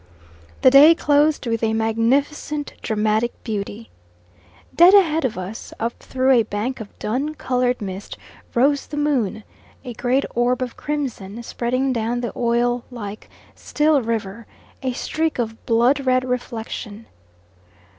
The day closed with a magnificent dramatic beauty. Dead ahead of us, up through a bank of dun coloured mist rose the moon, a great orb of crimson, spreading down the oil like, still river, a streak of blood red reflection.